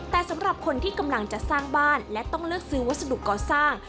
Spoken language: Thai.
แต่สำหรับคนที่กำลังจะสร้างบ้านและต้องเลือกซื้อวัสดุก่อสร้าง